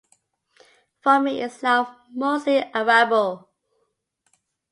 Farming is now mostly arable.